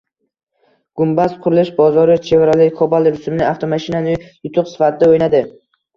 “Gumbaz” qurilish bozori Chevrolet Cobalt rusumli avtomashinani yutuq sifatida o‘ynadi